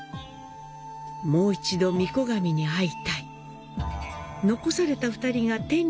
もう一度、御子神に会いたい。